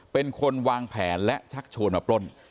เป็นคนวางแผนและชักชวนมาปล้น